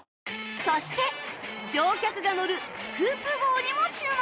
そして乗客が乗るスクープ号にも注目